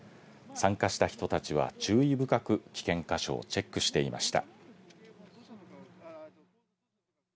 参加した人たちは注意深く危険箇所をチェックしていました。